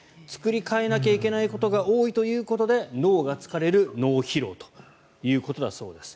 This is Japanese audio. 作り替えなきゃいけないことが多いということで脳が疲れる脳疲労ということだそうです。